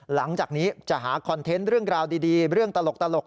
หลังจากนี้จะหาคอนเทนต์เรื่องราวดีเรื่องตลก